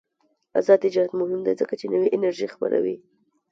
آزاد تجارت مهم دی ځکه چې نوې انرژي خپروي.